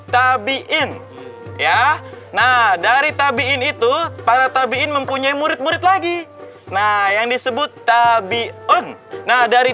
tabiin ya nah dari tabiin itu para tabiin mempunyai murid murid lagi nah yang disebut tabiun nah dari